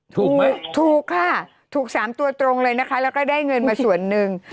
ถูกไหมถูกค่ะถูกสามตัวตรงเลยนะคะแล้วก็ได้เงินมาส่วนหนึ่ง